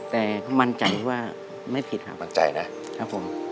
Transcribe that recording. แต่มั่นกลัวว่าไม่ผิดครับ